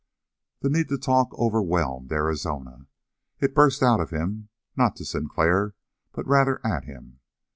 The need to talk overwhelmed Arizona. It burst out of him, not to Sinclair, but rather at him.